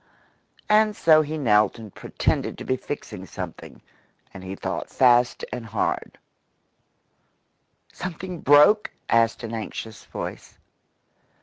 And so he knelt and pretended to be fixing something, and he thought fast and hard. "Something broke?" asked an anxious voice.